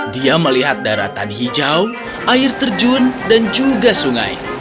dia melihat daratan hijau air terjun dan juga sungai